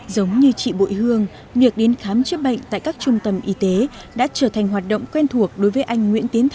giống như chị bội hương việc đến khám chữa bệnh tại các trung tâm y tế đã trở thành hoạt động quen thuộc đối với anh nguyễn tiến